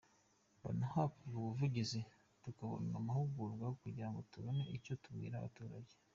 Mbona hakorwa ubuvugizi tukabona amahugurwa kugira ngo tubone icyo tubwira abaturage.